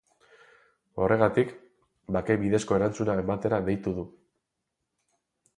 Horregatik, bake bidezko erantzuna ematera deitu du.